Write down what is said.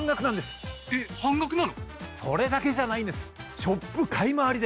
それだけじゃないんです。